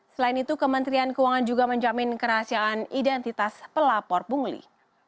selain itu kementerian keuangan juga menjamin kerahasiaan identitas pelapor pungli